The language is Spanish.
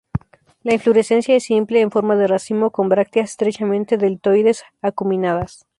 La inflorescencia es simple, en forma de racimo, con brácteas estrechamente deltoides-acuminadas.